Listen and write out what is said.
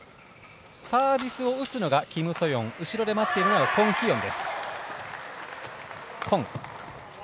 サービスを打つのがキム・ソヨン後ろで待っているのがコン・ヒヨン。